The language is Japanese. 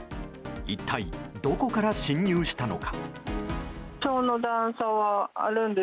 一体どこから進入したのか。